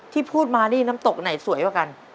ที่พูดมานี่น้ำตกไหนสวยกว่ากัน